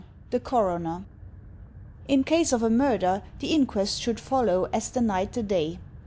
The Coroner In case of a murder, the Inquest should follow, as the night the day.